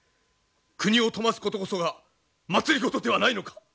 国を富ますことこそが政ではないのか？